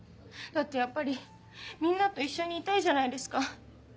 だってやっぱりみんなと一緒にいたいじゃないですか。